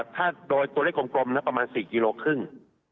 ถ้าโดยตัวเลขกลมประมาณ๔กิโลครึ่ง